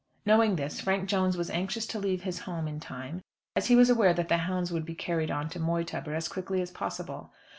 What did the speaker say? Knowing this, Frank Jones was anxious to leave his home in time, as he was aware that the hounds would be carried on to Moytubber as quickly as possible.